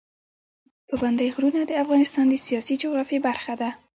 پابندی غرونه د افغانستان د سیاسي جغرافیه برخه ده.